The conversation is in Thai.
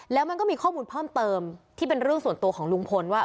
แล้วมันก็มีข้อมูลเพิ่มเติมที่เป็นเรื่องส่วนตัวของลุงพลว่า